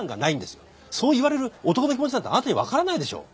そう言われる男の気持ちなんてあなたに分からないでしょう。